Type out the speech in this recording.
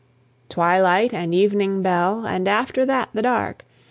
Twilight and evening bell, And after that the dark!